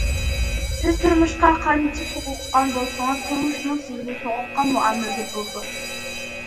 سىز تۇرمۇشقا قانچە سوغۇققان بولسىڭىز، تۇرمۇشمۇ سىزگە سوغۇققان مۇئامىلىدە بولىدۇ.